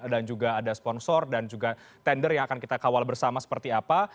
dan juga ada sponsor dan juga tender yang akan kita kawal bersama seperti apa